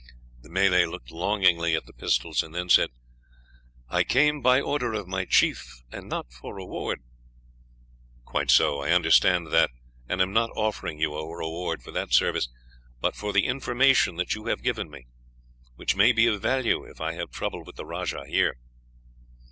The Malay looked longingly at the pistols, and then said, "I came by order of my chief, and not for reward." "Quite so. I understand that, and am not offering you a reward for that service, but for the information that you have given me, which may be of value if I have trouble with the rajah here."